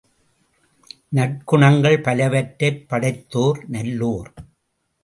நற்குணங்கள் பலவற்றைப் படைத்தோர் நல்லோர்!